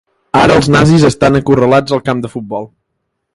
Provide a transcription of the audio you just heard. Ara els nazis estan acorralats al camp de futbol.